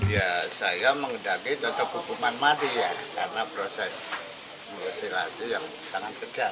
ya saya mengedapi tata hukuman mati ya karena proses mutilasi yang sangat kejam